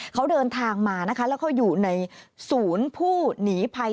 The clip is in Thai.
เขาเดินทางมานะคะแล้วเขาอยู่ในศูนย์ผู้หนีภัย